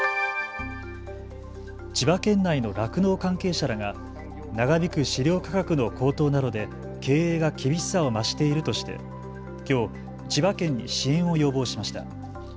千葉県内の酪農関係者らが長引く飼料価格の高騰などで経営が厳しさを増しているとしてきょう千葉県に支援を要望しました。